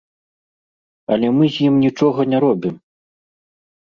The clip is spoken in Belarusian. Але мы з ім нічога не робім.